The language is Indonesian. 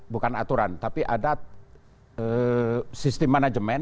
bukan aturan tapi ada sistem manajemen